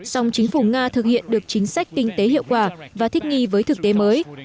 song chính phủ nga thực hiện được chính sách kinh tế hiệu quả và thích nghi với thực tế mới